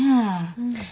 うん。